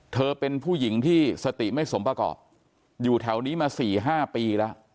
เธอเป็นผู้หญิงที่สติไม่สมประกอบอยู่แถวนี้มา๔๕ปีแล้ว